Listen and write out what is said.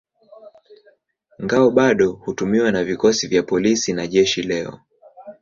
Ngao bado hutumiwa na vikosi vya polisi na jeshi leo.